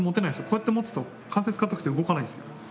こうやって持つと関節硬くて動かないんですよ。